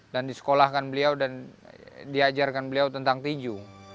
dan disekolahkan beliau dan diajarkan beliau tentang tinju